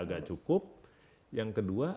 agak cukup yang kedua